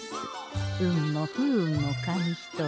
運も不運も紙一重。